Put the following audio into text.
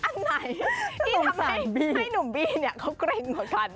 อันไหนที่ไหนให้หนุ่มบี้เนี่ยเขาเกร็งเหมือนกัน